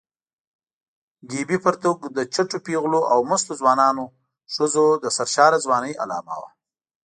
ګیبي پرتوګ د چټو پېغلو او مستو ځوانو ښځو د سرشاره ځوانۍ علامه وه.